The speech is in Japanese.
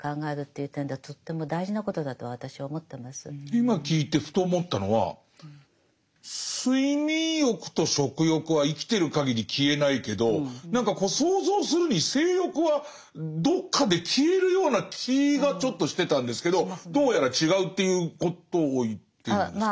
今聞いてふと思ったのは睡眠欲と食欲は生きてるかぎり消えないけど何かこう想像するに性欲はどっかで消えるような気がちょっとしてたんですけどどうやら違うっていうことを言ってるんですか？